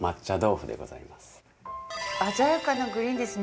鮮やかなグリーンですね。